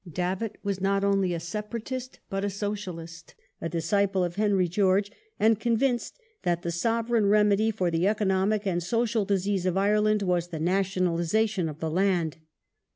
Davitt was not only a separatist but a socialist, a disciple of Henry George,^ and convinced that the sovereign remedy for the economic and social disease of Ireland was the nationalization of the land.